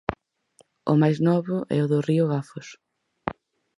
O máis novo é o do río Gafos.